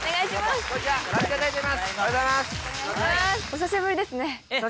久しぶりですね